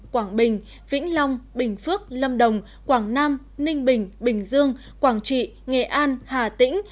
quảng bình vĩnh long bình phước lâm đồng quảng nam ninh bình bình dương quảng trị nghệ an hà tĩnh